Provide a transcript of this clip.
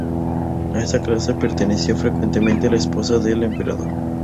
A esa clase pertenecía frecuentemente la esposa del "emperador".